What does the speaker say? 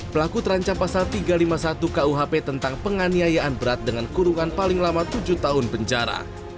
pelaku terancam pasal tiga ratus lima puluh satu kuhp tentang penganiayaan berat dengan kurungan paling lama tujuh tahun penjara